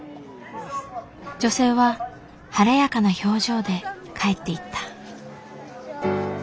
女性は晴れやかな表情で帰っていった。